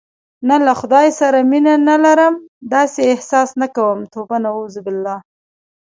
نه، له خدای سره مینه نه لرم، داسې احساس نه کوم.